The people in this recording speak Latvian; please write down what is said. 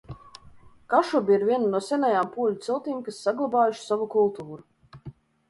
Kašubi ir viena no senajām poļu ciltīm, kas saglabājuši savu kultūru.